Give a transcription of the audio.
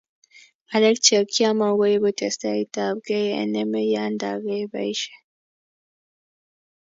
Ngalek che kiamua ko ibu testaitab kei eng' emet ye nda kibaishe